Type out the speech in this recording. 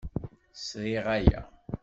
Sriɣ aya.